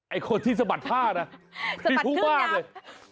ไอ้คนที่สะบัดท่านะมีผู้มากเลย